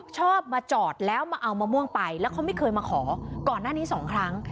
ชอบมาจอดแล้วมาเอามะม่วงไปแล้วเขาไม่เคยมาขอก่อนหน้านี้สองครั้ง